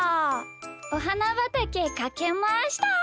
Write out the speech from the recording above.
おはなばたけかけました！